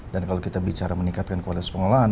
dan kalau kita bicara meningkatkan kualitas pengelolaan